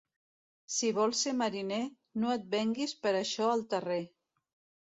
Si vols ser mariner, no et venguis per això el terrer.